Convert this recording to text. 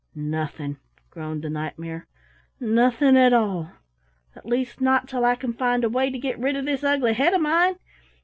"Nothing," groaned the Knight mare, "nothing at all. At least not till I can find a way to get rid of this ugly head of mine.